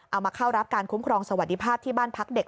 มาเข้ารับการคุ้มครองสวัสดิภาพที่บ้านพักเด็ก